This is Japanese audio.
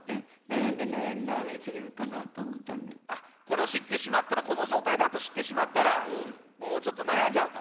これを知ってしまったらこの状態だと知ってしまったらもうちょっと悩んじゃうと？